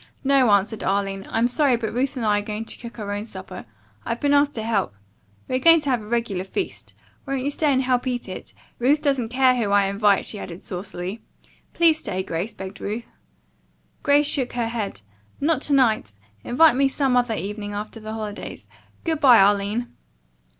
"No," answered Arline. "I'm sorry, but Ruth and I are going to cook our own supper. I've been asked to help. We are going to have a regular feast. Won't you stay and help eat it? Ruth doesn't care who I invite," she added saucily. "Please stay, Grace," begged Ruth. Grace shook her head. "Not to night. Invite me some evening after the holidays. Good bye, Arline."